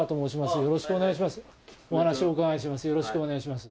よろしくお願いします。